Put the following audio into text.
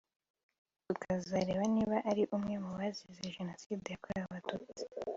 tukazareba niba ari umwe mubazize Jenoside yakorewe Abatutsi